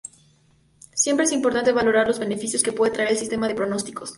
Siempre es importante valorar los beneficios que puede traer el sistema de pronósticos.